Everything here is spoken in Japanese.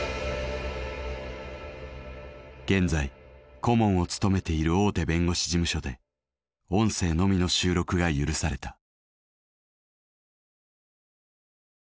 現在顧問を務めている大手弁護士事務所で音声のみの収録が許された。